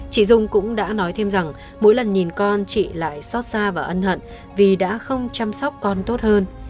chị dung cũng đã nói thêm rằng mỗi lần nhìn con chị lại xót xa và ân hận vì đã không chăm sóc con tốt hơn